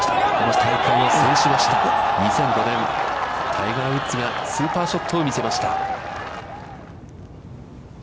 タイガー・ウッズが、スーパーショットを見せました。